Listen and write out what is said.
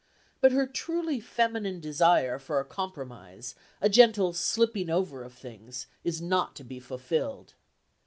But her truly feminine desire for a compromise, a gentle slipping over of things, is not to be fulfilled.